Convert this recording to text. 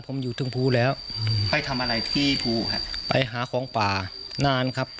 ผมอยู่ถึงภูแล้วไปทำอะไรที่ภูฮะไปหาของป่านานครับ